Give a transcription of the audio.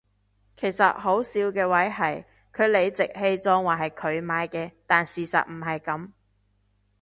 其實好笑嘅位係佢理直氣壯話係佢買嘅但事實唔係噉